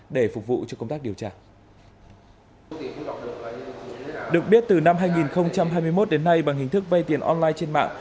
được biết từ năm hai nghìn hai mươi một đến nay bằng hình thức vay tiền online trên mạng